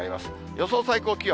予想最高気温。